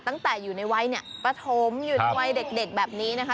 ตั้งแต่อยู่ในวัยเนี่ยปฐมอยู่ในวัยเด็กแบบนี้นะคะ